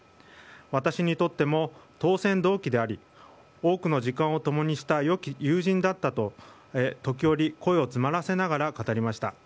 私にとっても当選同期であり多くの時間をともにした良き友人だったと時折声を詰まらせながら語りました。